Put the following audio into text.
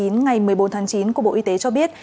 ngày một mươi bốn tháng chín của bộ y tế cho biết